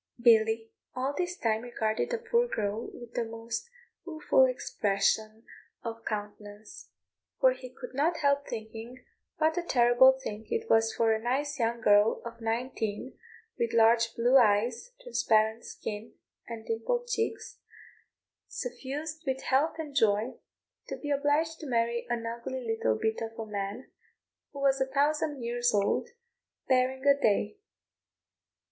Billy all this time regarded the poor girl with a most rueful expression of countenance; for he could not help thinking what a terrible thing it was for a nice young girl of nineteen, with large blue eyes, transparent skin, and dimpled cheeks, suffused with health and joy, to be obliged to marry an ugly little bit of a man, who was a thousand years old, barring a day.